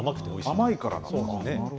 甘いからなんですね。